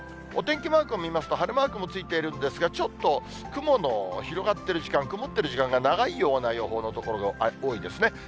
お天気マークを見ますと、晴れマークもついているんですが、ちょっと雲の広がっている時間、曇ってる時間が長いような予報の所が多いんですね。